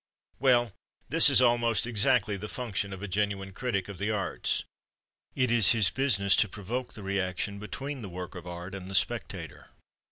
Well, this is almost exactly the function of a genuine critic of the arts. It is his business to provoke the reaction between the work of art and the spectator.